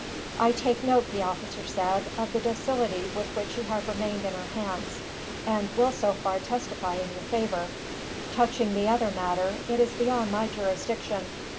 "I take note," the officer said, "of the docility with which you have remained in our hands; and will so far testify in your favor Touching the other matter, it is beyond my jurisdiction."